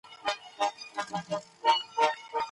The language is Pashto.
هغه د خپل مونوګراف لپاره څېړنه کوي.